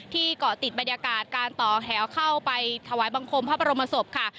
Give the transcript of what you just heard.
เกาะติดบรรยากาศการต่อแถวเข้าไปถวายบังคมพระบรมศพค่ะ